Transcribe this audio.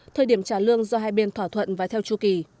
thời điểm trả lương do hai bên thỏa thuận và theo chu kỳ